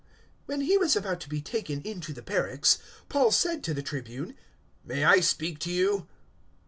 021:037 When he was about to be taken into the barracks, Paul said to the Tribune, "May I speak to you?"